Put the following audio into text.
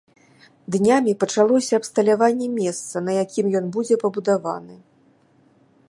Днямі пачалося абсталяванне месца, на якім ён будзе пабудаваны.